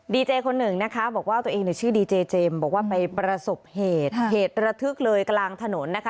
ดีเจคนหนึ่งนะคะบอกว่าตัวเองเนี่ยชื่อดีเจเจมส์บอกว่าไปประสบเหตุเหตุระทึกเลยกลางถนนนะคะ